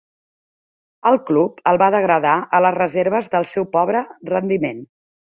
El club el va degradar a les reserves pel seu pobre rendiment.